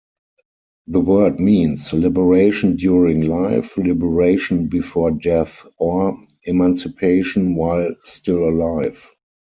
The word means, "liberation during life, liberation before death", or "emancipation while still alive".